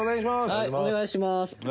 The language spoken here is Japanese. はいお願いします。